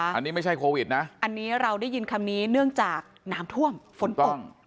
อันนี้ไม่ใช่โควิดนะอันนี้เราได้ยินคำนี้เนื่องจากน้ำท่วมฝนตก